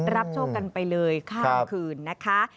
รับโชคกันไปเลยข้ามคืนนะคะ